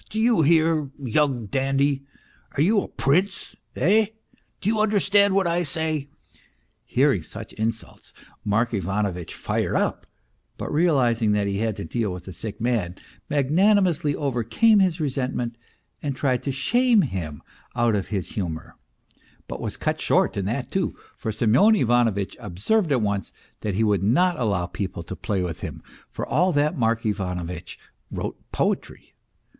Do you hear, young dandy ? Are you a prince, eh ? Do you understand what I say ?" Hearing such insults, Mark Ivanovitch fired up, but realizing that he had to deal with a sick man, magnanimously overcame his resentment and tried to shame him out of his humour, but was cut short in that too ; for Semyon Ivanovitch observed at once that he would not allow people to play with him for all that Mark Ivanovitch wrote poetry.